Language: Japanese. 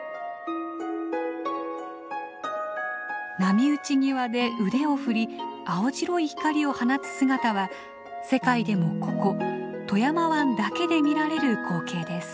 波打ち際で腕を振り青白い光を放つ姿は世界でもここ富山湾だけで見られる光景です。